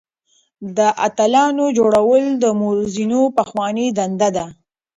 د اتلانو جوړول د مورخينو پخوانۍ دنده ده.